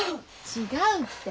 違うって。